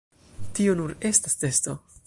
Tio nur estas testo.